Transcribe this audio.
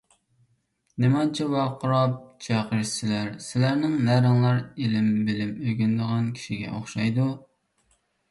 نېمانچە ۋارقىراپ - جارقىرىشىسىلەر! سىلەرنىڭ نەرىڭلار ئىلىم - بىلىم ئۆگىنىدىغان كىشىگە ئوخشايدۇ؟!